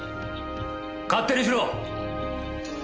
勝手にしろ！